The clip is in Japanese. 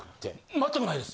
全くないです。